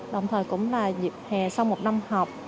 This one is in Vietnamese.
đồng thời cũng là dịp hè sau một năm học